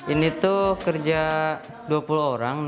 ini tuh kerja dua puluh orang